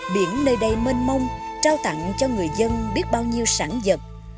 biển nơi đây mênh mông trao tặng cho người dân biết bao nhiêu sản vật